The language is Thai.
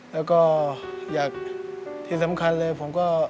แล้วก็อยากที่สำคัญเลยผมก็